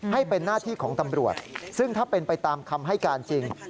ให้เป็นหน้าที่ของตำรวจซึ่งถ้าเป็นไปตามคำให้การจริง